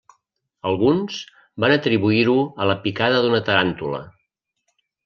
Alguns van atribuir-ho a la picada d'una taràntula.